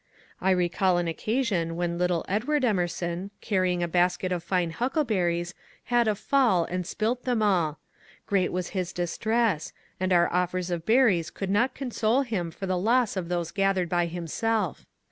I recall an occasion when little Edward Emerson, carrying a basket of fine huckleberries, had a fall and spilt them all. Great was his distress, and our offers of berries could not console him for the loss of those gathered by him self.